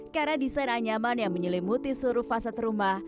karena desain anyaman yang menyelimuti seluruh fasad rumah